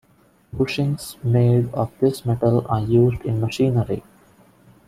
Bushings made of this metal are used in machinery.